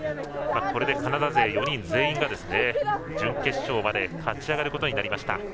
カナダ勢４人全員が準決勝まで勝ち上がることになりました。